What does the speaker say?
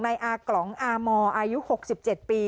นายอากล่องอมอายุหกสิบเจ็ดปี